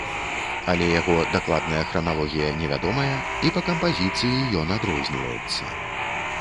Але яго дакладная храналогія невядомая і па кампазіцыі ён адрозніваецца.